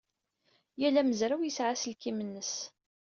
Yal amezraw yesɛa aselkim-nnes.